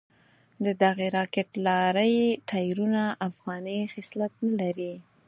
ددغې راکېټ لارۍ ټایرونه افغاني خصلت نه لري.